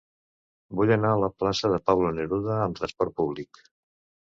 Vull anar a la plaça de Pablo Neruda amb trasport públic.